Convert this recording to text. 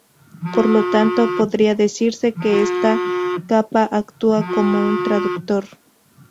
Por lo tanto, podría decirse que esta capa actúa como un traductor.